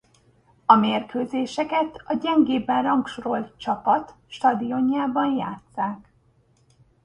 A mérkőzéseket a gyengébben rangsorolt csapat stadionjában játsszák.